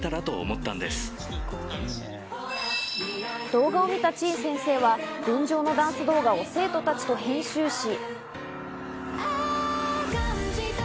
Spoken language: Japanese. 動画を見たチン先生は『群青』のダンス動画を生徒たちと編集し。